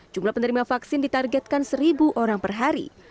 jumlah penerima vaksin ditargetkan seribu orang per hari